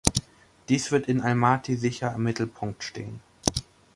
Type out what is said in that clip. Dies wird in Almaty sicher im Mittelpunkt stehen.